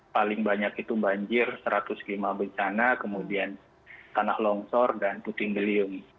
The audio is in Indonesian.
paling banyak itu banjir satu ratus lima bencana kemudian tanah longsor dan puting beliung